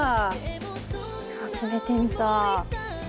初めて見た。